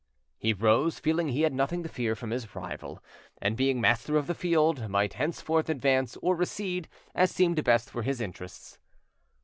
He rose, feeling he had nothing to fear from his rival, and, being master of the field, might henceforth advance or recede as seemed best for his interests.